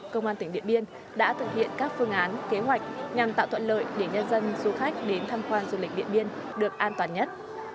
công an tỉnh điện biên đã thực hiện các phương án kế hoạch nhằm tạo thuận lợi để nhân dân du khách đến tham quan du lịch điện biên được an toàn nhất